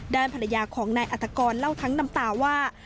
ด้านภรรยาของนายอัตกรเล่าทั้งน้ำตาว่า